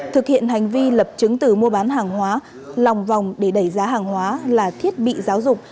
thực hiện hành vi lập chứng tử mua bán hàng hóa lòng vòng để đẩy giá hàng hóa là thiết bị giáo dục